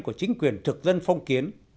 của chính quyền trực dân phong kiến